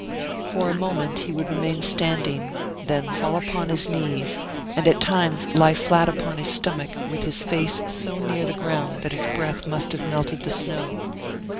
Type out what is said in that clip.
For a moment he would remain standing, then fall upon his knees, and at times lie flat upon his stomach with his face so near the ground that his breath must have melted the snow.